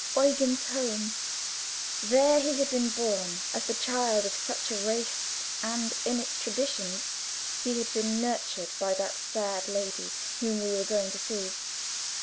Eugen's home: there he had been born; as the child of such a race and in its traditions he had been nurtured by that sad lady whom we were going to see.